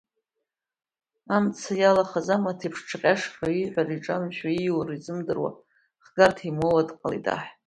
Амца иалахаз амаҭ еиԥш дшаҟь-шаҟьо, ииҳәара иҿамшәо, ииура изымдыруа, хгарҭа имоуа дҟалеит аҳ.